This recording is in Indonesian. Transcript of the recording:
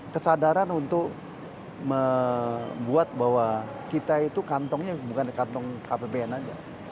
kesadaran untuk membuat bahwa kita itu kantongnya bukan kantong kpbn aja